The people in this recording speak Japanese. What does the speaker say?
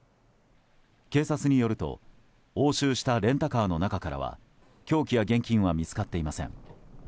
警察によると押収したレンタカーの中からは凶器や現金は見つかっていません。